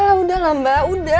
karma itu ada